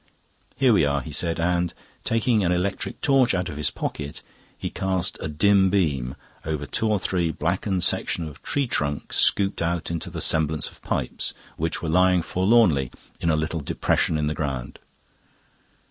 "Here we are," he said, and, taking an electric torch out of his pocket, he cast a dim beam over two or three blackened sections of tree trunk, scooped out into the semblance of pipes, which were lying forlornly in a little depression in the ground.